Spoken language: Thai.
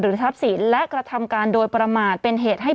ผู้ต้องหาที่ขับขี่รถจากอายานยนต์บิ๊กไบท์